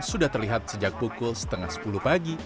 sudah terlihat sejak pukul setengah sepuluh pagi